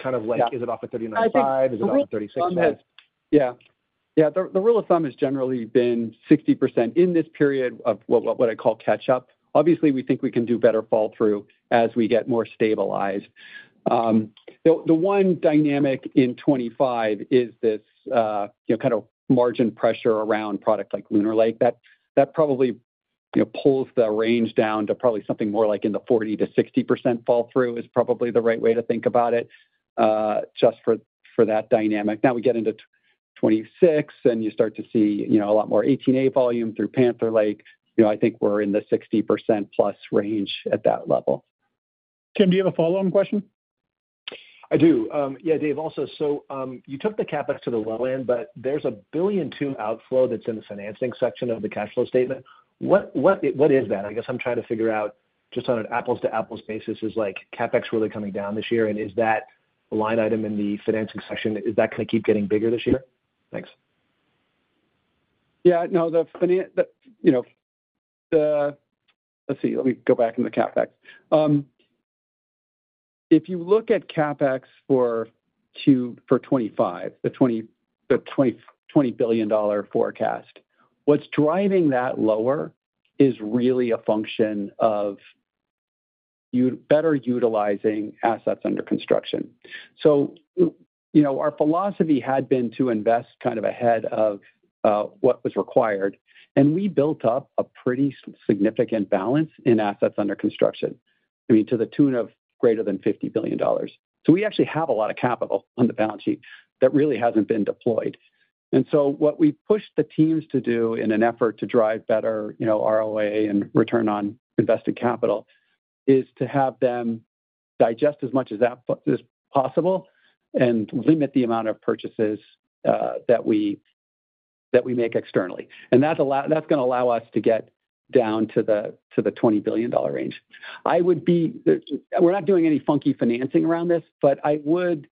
kind of like, is it off of 39.5%? Is it off of 36.5%? Yeah. Yeah. The rule of thumb has generally been 60% in this period of what I call catch-up. Obviously, we think we can do better fall-through as we get more stabilized. The one dynamic in 2025 is this kind of margin pressure around product like Lunar Lake. That probably pulls the range down to probably something more like in the 40%-60% fall-through is probably the right way to think about it just for that dynamic. Now we get into 2026, and you start to see a lot more 18A volume through Panther Lake. I think we're in the 60% plus range at that level. Tim, do you have a follow-on question? I do. Yeah, Dave, also. So you took the CapEx to the low end, but there's a $1.2 billion outflow that's in the financing section of the cash flow statement. What is that? I guess I'm trying to figure out just on an apples-to-apples basis, is CapEx really coming down this year? Is that line item in the financing section, is that going to keep getting bigger this year? Thanks. Yeah. No, the finance, let's see. Let me go back into the CapEx. If you look at CapEx for 2025, the $20 billion forecast, what's driving that lower is really a function of better utilizing assets under construction. So our philosophy had been to invest kind of ahead of what was required, and we built up a pretty significant balance in assets under construction, I mean, to the tune of greater than $50 billion. So we actually have a lot of capital on the balance sheet that really hasn't been deployed. And so what we pushed the teams to do in an effort to drive better ROA and return on invested capital is to have them digest as much as possible and limit the amount of purchases that we make externally. And that's going to allow us to get down to the $20 billion range. I would say we're not doing any funky financing around this, but I would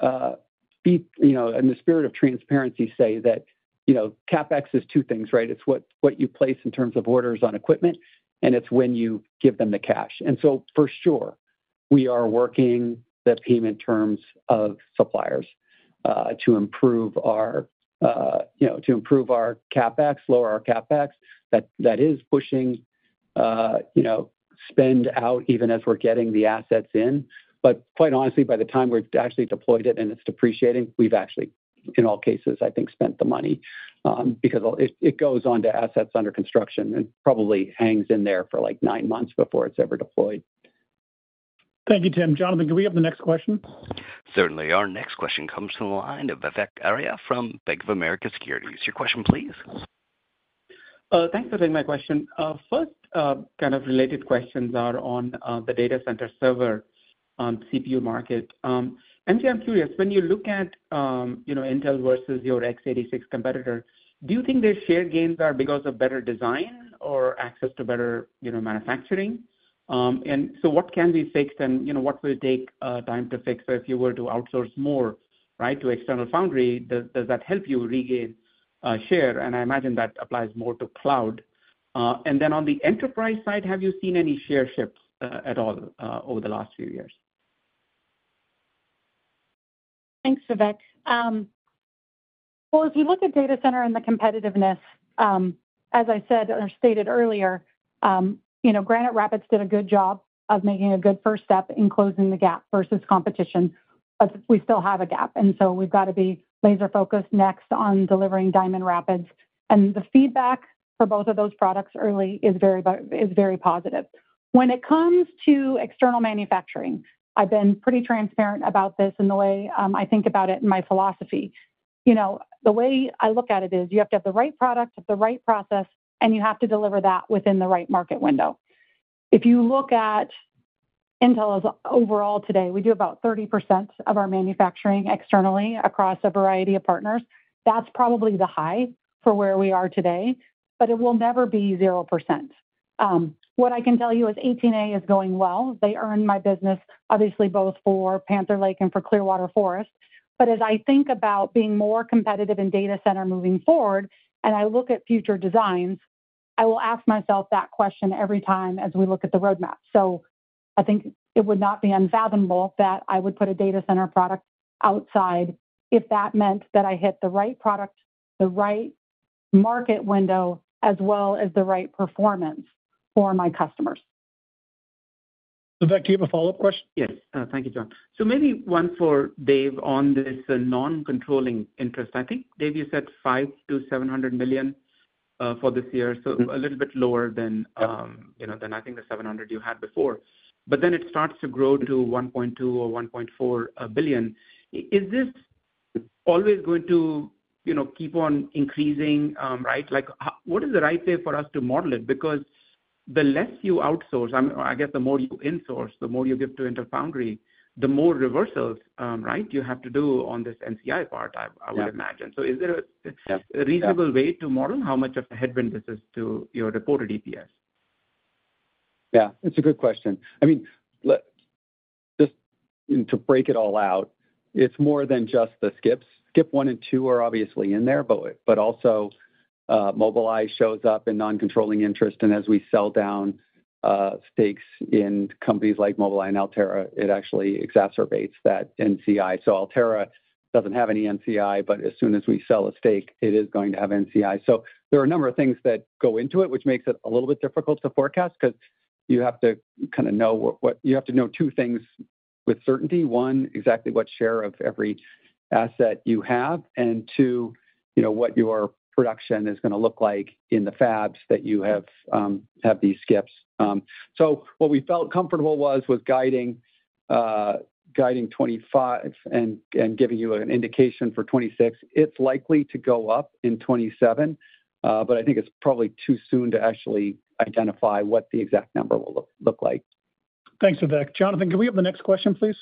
say, in the spirit of transparency, say that CapEx is two things, right? It's what you place in terms of orders on equipment, and it's when you give them the cash. And so for sure, we are working the payment terms of suppliers to improve our CapEx, lower our CapEx. That is pushing spend out even as we're getting the assets in. But quite honestly, by the time we've actually deployed it and it's depreciating, we've actually, in all cases, I think, spent the money because it goes on to assets under construction and probably hangs in there for like nine months before it's ever deployed. Thank you, Tim. Jonathan, can we have the next question? Certainly. Our next question comes from the line of Vivek Arya from Bank of America Securities. Your question, please. Thanks for taking my question. First, kind of related questions are on the data center server CPU market. And I'm curious, when you look at Intel versus your x86 competitor, do you think their share gains are because of better design or access to better manufacturing? And so what can be fixed and what will it take time to fix? So if you were to outsource more, right, to external foundry, does that help you regain share? And I imagine that applies more to cloud. And then on the enterprise side, have you seen any share shifts at all over the last few years? Thanks, Vivek. If you look at data center and the competitiveness, as I said or stated earlier, Granite Rapids did a good job of making a good first step in closing the gap versus competition. But we still have a gap. And so we've got to be laser-focused next on delivering Diamond Rapids. And the feedback for both of those products early is very positive. When it comes to external manufacturing, I've been pretty transparent about this in the way I think about it and my philosophy. The way I look at it is you have to have the right product, have the right process, and you have to deliver that within the right market window. If you look at Intel overall today, we do about 30% of our manufacturing externally across a variety of partners. That's probably the high for where we are today, but it will never be 0%. What I can tell you is Intel 18A is going well. They earned my business, obviously, both for Panther Lake and for Clearwater Forest. But as I think about being more competitive in data center moving forward and I look at future designs, I will ask myself that question every time as we look at the roadmap. So I think it would not be unfathomable that I would put a data center product outside if that meant that I hit the right product, the right market window, as well as the right performance for my customers. Vivek, do you have a follow-up question? Yes. Thank you, John. So maybe one for Dave on this non-controlling interest. I think, Dave, you said $5-$700 million for this year, so a little bit lower than I think the $700 million you had before. But then it starts to grow to $1.2 billion or $1.4 billion. Is this always going to keep on increasing? Right? What is the right way for us to model it? Because the less you outsource, I guess the more you insource, the more you give to Intel Foundry, the more reversals, right, you have to do on this NCI part, I would imagine. So is there a reasonable way to model how much of a headwind this is to your reported EPS? Yeah. It's a good question. I mean, just to break it all out, it's more than just the SCIPs. SCIP one and two are obviously in there, but also Mobileye shows up in non-controlling interest. And as we sell down stakes in companies like Mobileye and Altera, it actually exacerbates that NCI. So Altera doesn't have any NCI, but as soon as we sell a stake, it is going to have NCI. So there are a number of things that go into it, which makes it a little bit difficult to forecast because you have to kind of know two things with certainty. One, exactly what share of every asset you have. And two, what your production is going to look like in the fabs that you have these SCIPs. So what we felt comfortable was guiding 2025 and giving you an indication for 2026. It's likely to go up in 2027, but I think it's probably too soon to actually identify what the exact number will look like. Thanks, Vivek. Jonathan, can we have the next question, please?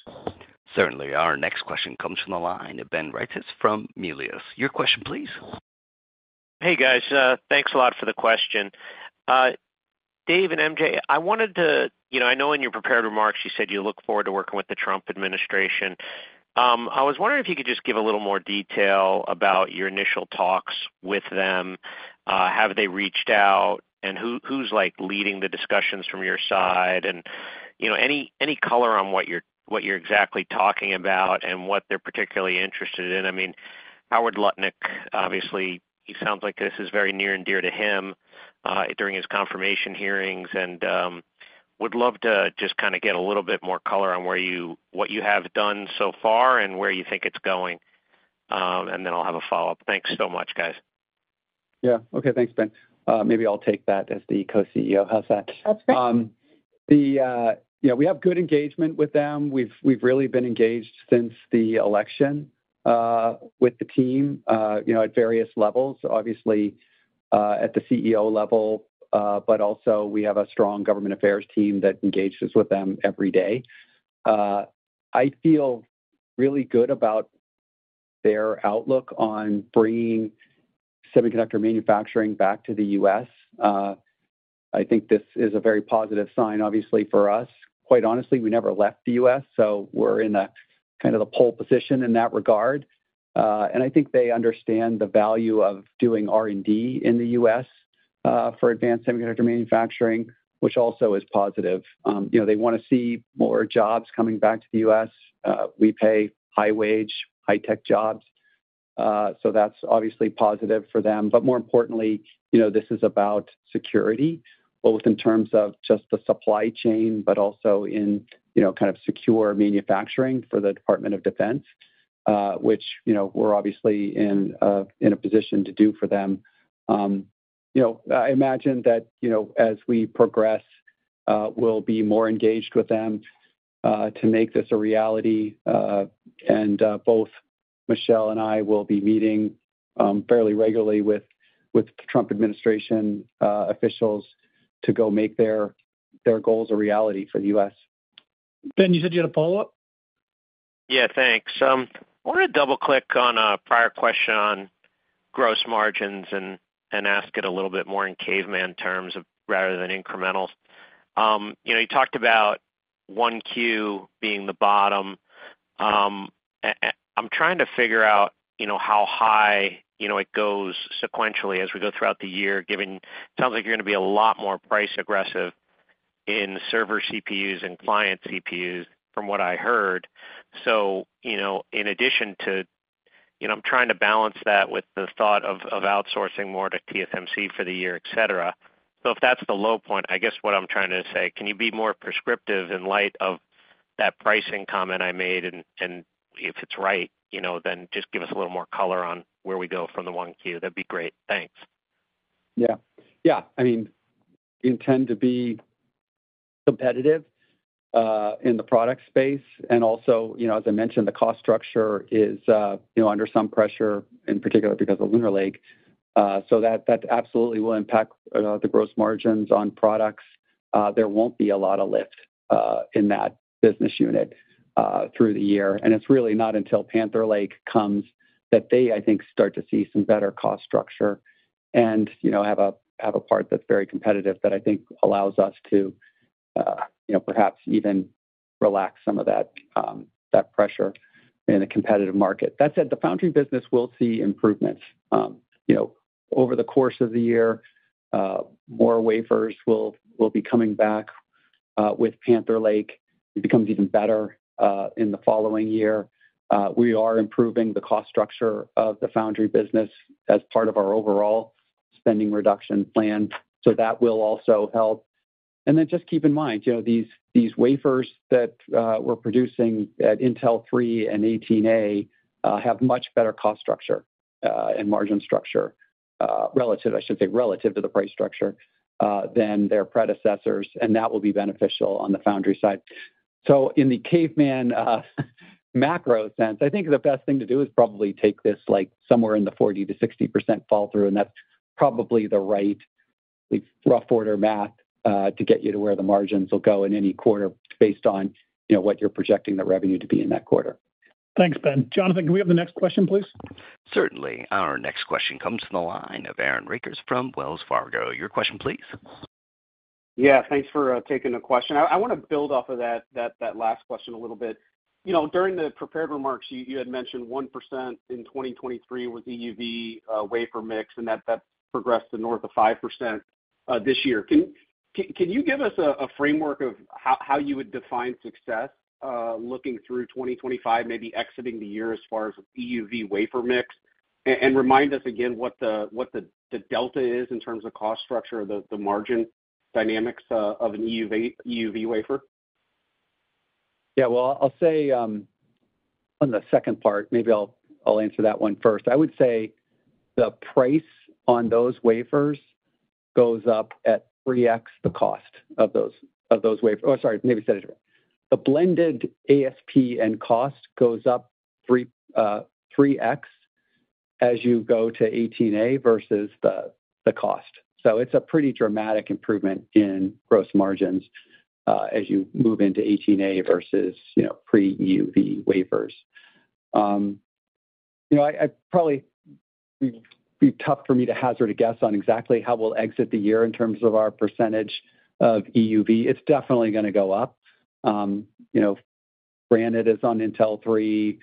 Certainly. Our next question comes from the line of Ben Reitzes from Melius Research. Your question, please. Hey, guys. Thanks a lot for the question. Dave and MJ, I wanted to, I know in your prepared remarks, you said you look forward to working with the Trump administration. I was wondering if you could just give a little more detail about your initial talks with them, how they reached out, and who's leading the discussions from your side, and any color on what you're exactly talking about and what they're particularly interested in. I mean, Howard Lutnick, obviously, it sounds like this is very near and dear to him during his confirmation hearings, and would love to just kind of get a little bit more color on what you have done so far and where you think it's going. And then I'll have a follow-up. Thanks so much, guys. Yeah. Okay. Thanks, Ben. Maybe I'll take that as the co-CEO. How's that? That's great. Yeah. We have good engagement with them. We've really been engaged since the election with the team at various levels, obviously, at the CEO level, but also we have a strong government affairs team that engages with them every day. I feel really good about their outlook on bringing semiconductor manufacturing back to the U.S. I think this is a very positive sign, obviously, for us. Quite honestly, we never left the U.S., so we're in kind of the pole position in that regard. And I think they understand the value of doing R&D in the U.S., for advanced semiconductor manufacturing, which also is positive. They want to see more jobs coming back to the U.S. We pay high-wage, high-tech jobs. So that's obviously positive for them. But more importantly, this is about security, both in terms of just the supply chain, but also in kind of secure manufacturing for the Department of Defense, which we're obviously in a position to do for them. I imagine that as we progress, we'll be more engaged with them to make this a reality. And both Michelle and I will be meeting fairly regularly with Trump administration officials to go make their goals a reality for the U.S. Ben, you said you had a follow-up? Yeah. Thanks. I want to double-click on a prior question on gross margins and ask it a little bit more in caveman terms rather than incremental. You talked about Q1 being the bottom. I'm trying to figure out how high it goes sequentially as we go throughout the year, given it sounds like you're going to be a lot more price-aggressive in server CPUs and client CPUs, from what I heard. So in addition to, I'm trying to balance that with the thought of outsourcing more to TSMC for the year, etc. So if that's the low point, I guess what I'm trying to say, can you be more prescriptive in light of that pricing comment I made? And if it's right, then just give us a little more color on where we go from the 1Q. That'd be great. Thanks. Yeah. Yeah. I mean, intend to be competitive in the product space. And also, as I mentioned, the cost structure is under some pressure, in particular because of Lunar Lake. So that absolutely will impact the gross margins on products. There won't be a lot of lift in that business unit through the year. And it's really not until Panther Lake comes that they, I think, start to see some better cost structure and have a part that's very competitive that I think allows us to perhaps even relax some of that pressure in the competitive market. That said, the foundry business will see improvements over the course of the year. More wafers will be coming back with Panther Lake. It becomes even better in the following year. We are improving the cost structure of the foundry business as part of our overall spending reduction plan. So that will also help. And then just keep in mind, these wafers that we're producing at Intel 3 and 18A have much better cost structure and margin structure, I should say, relative to the price structure than their predecessors. That will be beneficial on the foundry side. So in the caveman macro sense, I think the best thing to do is probably take this somewhere in the 40%-60% fall-through. And that's probably the right rough order math to get you to where the margins will go in any quarter based on what you're projecting the revenue to be in that quarter. Thanks, Ben. Jonathan, can we have the next question, please? Certainly. Our next question comes from the line of Aaron Rakers from Wells Fargo. Your question, please. Yeah. Thanks for taking the question. I want to build off of that last question a little bit. During the prepared remarks, you had mentioned 1% in 2023 was EUV wafer mix, and that progressed to north of 5% this year. Can you give us a framework of how you would define success looking through 2025, maybe exiting the year as far as EUV wafer mix? And remind us again what the delta is in terms of cost structure, the margin dynamics of an EUV wafer? Yeah. Well, I'll say on the second part, maybe I'll answer that one first. I would say the price on those wafers goes up at 3x the cost of those wafers. Oh, sorry. Maybe I said it. The blended ASP and cost goes up 3x as you go to 18A versus the cost. So it's a pretty dramatic improvement in gross margins as you move into 18A versus pre-EUV wafers. It'd be tough for me to hazard a guess on exactly how we'll exit the year in terms of our percentage of EUV. It's definitely going to go up. Granite is on Intel 3.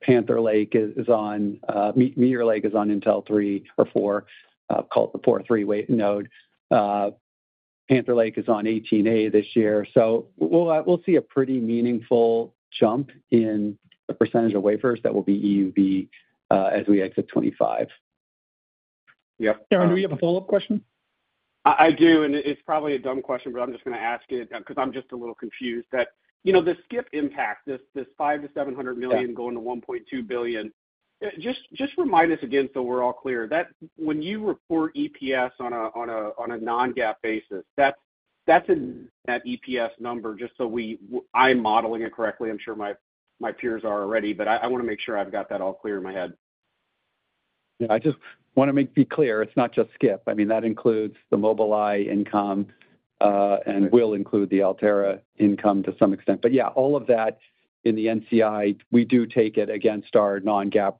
Panther Lake is on Meteor Lake is on Intel 3 or 4, called the 4/3 node. Panther Lake is on 18A this year. So we'll see a pretty meaningful jump in the percentage of wafers that will be EUV as we exit 2025. Yeah. Aaron, do we have a follow-up question? I do. And it's probably a dumb question, but I'm just going to ask it because I'm just a little confused that the skip impact, this $5 million-$700 million going to $1.2 billion, just remind us again so we're all clear that when you report EPS on a non-GAAP basis, that's. That EPS number just so I'm modeling it correctly. I'm sure my peers are already, but I want to make sure I've got that all clear in my head. Yeah. I just want to be clear. It's not just skip. I mean, that includes the Mobileye income and will include the Altera income to some extent. But yeah, all of that in the NCI, we do take it against our non-GAAP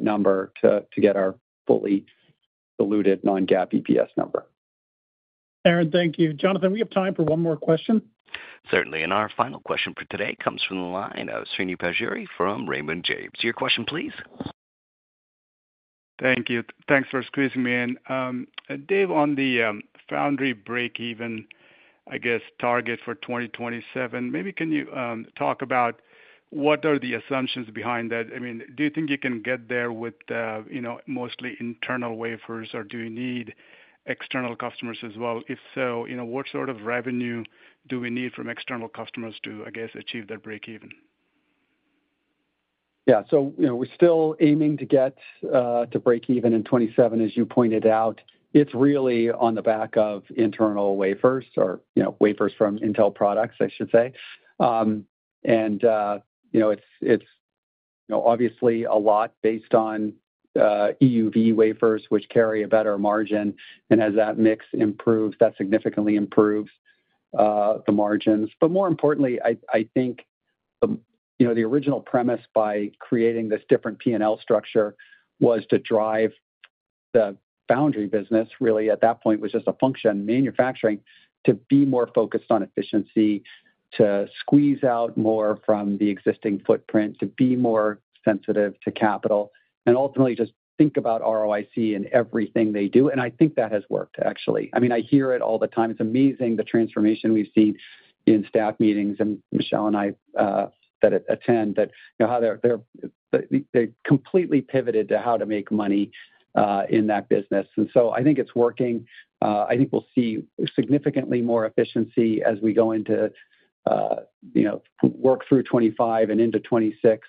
number to get our fully diluted non-GAAP EPS number. Aaron, thank you. Jonathan, we have time for one more question. Certainly. And our final question for today comes from the line of Srini Pajjuri from Raymond James. Your question, please. Thank you. Thanks for squeezing me in. Dave, on the foundry break-even, I guess, target for 2027, maybe can you talk about what are the assumptions behind that? I mean, do you think you can get there with mostly internal wafers, or do you need external customers as well? If so, what sort of revenue do we need from external customers to, I guess, achieve that break-even? Yeah. So we're still aiming to get to break-even in 2027, as you pointed out. It's really on the back of internal wafers or wafers from Intel products, I should say. And it's obviously a lot based on EUV wafers, which carry a better margin. And as that mix improves, that significantly improves the margins. But more importantly, I think the original premise by creating this different P&L structure was to drive the foundry business, really, at that point was just a function, manufacturing, to be more focused on efficiency, to squeeze out more from the existing footprint, to be more sensitive to capital, and ultimately just think about ROIC and everything they do. And I think that has worked, actually. I mean, I hear it all the time. It's amazing the transformation we've seen in staff meetings that Michelle and I attend, that they've completely pivoted to how to make money in that business. And so I think it's working. I think we'll see significantly more efficiency as we go into work through 2025 and into 2026.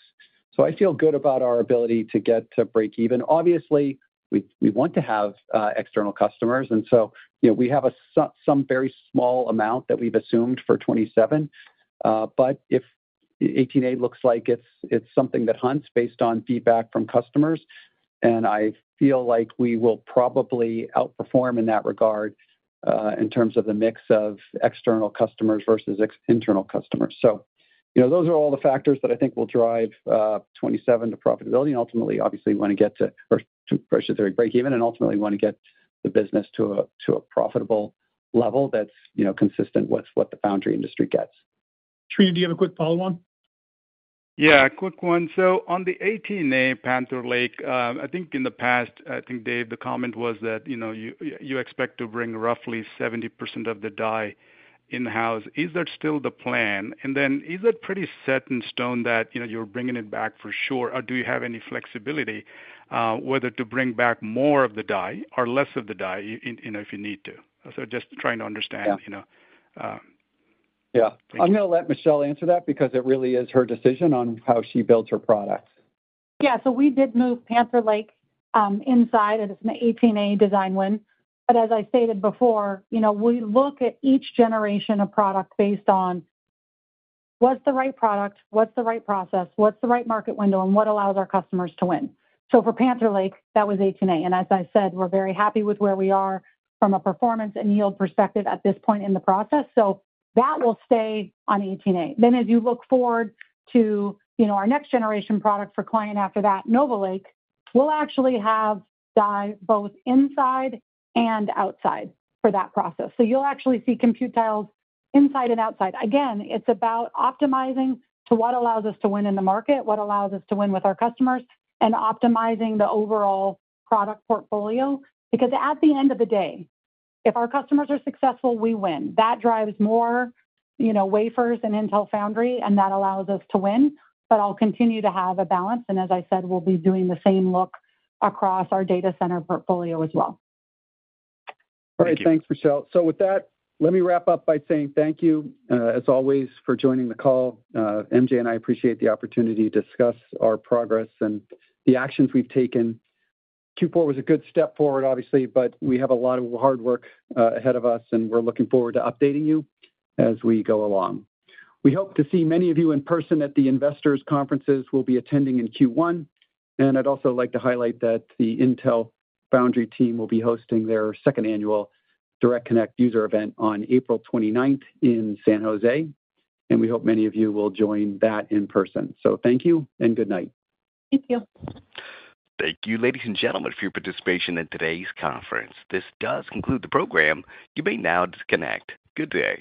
So I feel good about our ability to get to break-even. Obviously, we want to have external customers. And so we have some very small amount that we've assumed for 2027. But if 18A looks like it's something that hunts based on feedback from customers, and I feel like we will probably outperform in that regard in terms of the mix of external customers versus internal customers. So those are all the factors that I think will drive 2027 to profitability. Ultimately, obviously, we want to get to break-even, and ultimately, we want to get the business to a profitable level that's consistent with what the foundry industry gets. Srini, do you have a quick follow-on? Yeah. Quick one. So on the 18A Panther Lake, I think in the past, I think, Dave, the comment was that you expect to bring roughly 70% of the die in-house. Is that still the plan? And then is it pretty set in stone that you're bringing it back for sure, or do you have any flexibility whether to bring back more of the die or less of the die if you need to? So just trying to understand. Yeah. I'm going to let Michelle answer that because it really is her decision on how she builds her products. Yeah. So we did move Panther Lake inside, and it's an 18A design win. But as I stated before, we look at each generation of product based on what's the right product, what's the right process, what's the right market window, and what allows our customers to win. So for Panther Lake, that was 18A. And as I said, we're very happy with where we are from a performance and yield perspective at this point in the process. So that will stay on 18A. Then as you look forward to our next generation product for client after that, Nova Lake, we'll actually have die both inside and outside for that process. So you'll actually see compute tiles inside and outside. Again, it's about optimizing to what allows us to win in the market, what allows us to win with our customers, and optimizing the overall product portfolio. Because at the end of the day, if our customers are successful, we win. That drives more wafers and Intel Foundry, and that allows us to win. But I'll continue to have a balance. And as I said, we'll be doing the same look across our data center portfolio as well. All right. Thanks, Michelle. So with that, let me wrap up by saying thank you, as always, for joining the call. MJ and I appreciate the opportunity to discuss our progress and the actions we've taken. Q4 was a good step forward, obviously, but we have a lot of hard work ahead of us, and we're looking forward to updating you as we go along. We hope to see many of you in person at the investors' conferences we'll be attending in Q1. And I'd also like to highlight that the Intel Foundry team will be hosting their second annual Direct Connect user event on April 29th in San Jose. We hope many of you will join that in person. Thank you and good night. Thank you. Thank you, ladies and gentlemen, for your participation in today's conference. This does conclude the program. You may now disconnect. Good day.